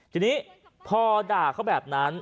ทีนี้พอด่าเขาแบบนั้น